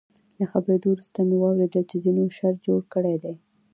له خپرېدو وروسته مې واورېدل چې ځینو شر جوړ کړی دی.